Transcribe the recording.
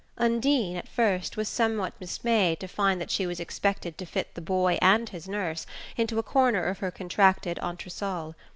Undine, at first, was somewhat dismayed to find that she was expected to fit the boy and his nurse into a corner of her contracted entresol.